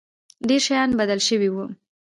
ډېر شيان بدل سوي وو.